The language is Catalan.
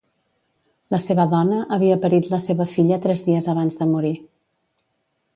La seva dona havia parit la seva filla tres dies abans de morir.